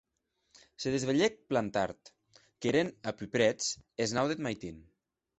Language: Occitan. Se desvelhèc plan tard, qu'èren apuprètz es nau deth maitin.